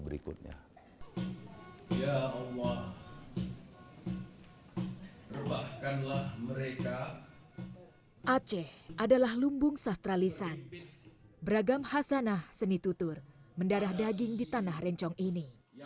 bambu hasanah seni tutur mendarah daging di tanah rencong ini